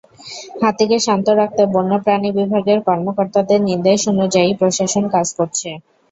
হাতিকে শান্ত রাখতে বন্য প্রাণী বিভাগের কর্মকর্তাদের নির্দেশ অনুযায়ী প্রশাসন কাজ করছে।